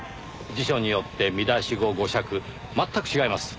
辞書によって見出し語語釈全く違います。